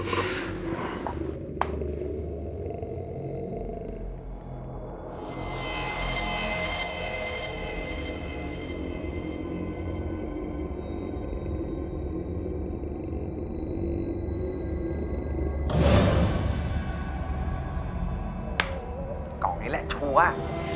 กล่องนี้แหละชัวร์